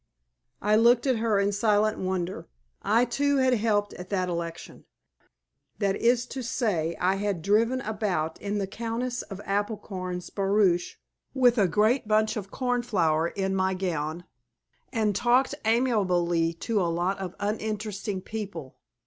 I looked at her in silent wonder. I, too, had helped at that election that is to say, I had driven about in the Countess of Applecorn's barouche with a great bunch of cornflower in my gown, and talked amiably to a lot of uninteresting people.